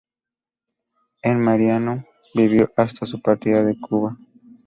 En Marianao vivió hasta su partida de Cuba.